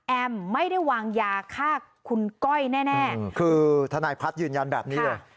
ไม่ได้วางยาฆ่าคุณก้อยแน่คือทนายพัฒน์ยืนยันแบบนี้เลย